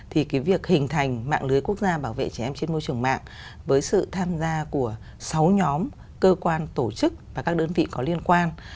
thì cái việc hình thành mạng lưới quốc gia bảo vệ trẻ em trên môi trường mạng với sự tham gia của sáu nhóm cơ quan tổ chức và các đơn vị có liên quan